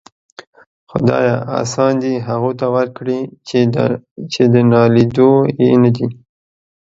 خداىه! آسان دي هغو ته ورکړي چې د ناليدو يې ندې.